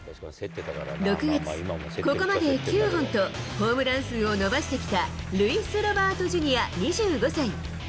６月、ここまで９本と、ホームラン数を伸ばしてきたルイス・ロバートＪｒ．２５歳。